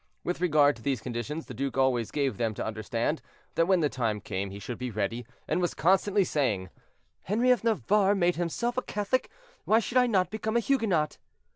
With regard to these conditions, the duke always gave them to understand that when the time came he should be ready, and was constantly saying, "Henri of Navarre made himself a Catholic, why should not I become a Huguenot?"